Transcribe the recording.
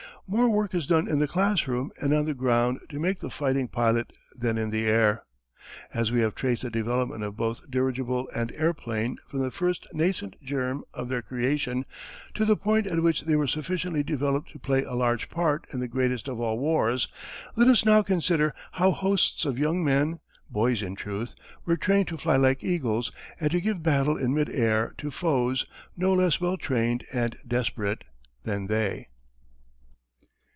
More work is done in the classroom and on the ground to make the fighting pilot than in the air. As we have traced the development of both dirigible and airplane from the first nascent germ of their creation to the point at which they were sufficiently developed to play a large part in the greatest of all wars, let us now consider how hosts of young men, boys in truth, were trained to fly like eagles and to give battle in mid air to foes no less well trained and desperate than they.